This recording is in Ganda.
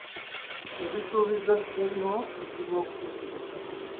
Ebisuubizo ebimu bizibu okutuukiriza.